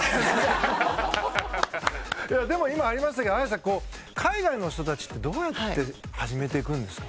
でも今ありましたけど綾さん海外の人たちってどうやって始めていくんですか？